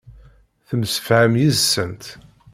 Temsefham yid-sent.